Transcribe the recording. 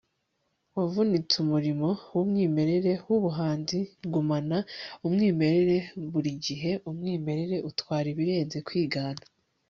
wavutse umurimo wumwimerere wubuhanzi gumana umwimerere burigihe umwimerere utwara ibirenze kwigana